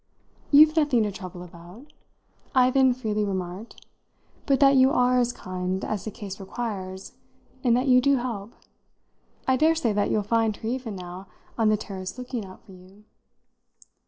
"You've nothing to trouble about," I then freely remarked, "but that you are as kind as the case requires and that you do help. I daresay that you'll find her even now on the terrace looking out for you."